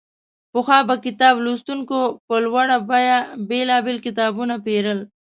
پخوا به کتاب لوستونکو په لوړه بیه بېلابېل کتابونه پېرل.